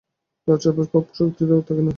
তাহার আর পাপ করিবার শক্তিই থাকে না।